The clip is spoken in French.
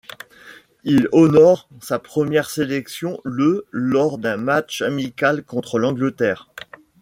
Il honore sa première sélection le lors d'un match amical contre l'Angleterre.